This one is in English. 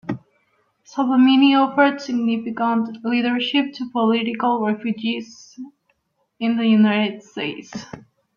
Salvemini offered significant leadership to political refugees in the United States.